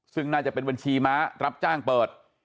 ซึ่งน่าจะเป็นบัญชีม้ารับจ้างเปิด